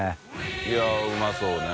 いやっうまそうね。